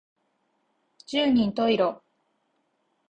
十人十色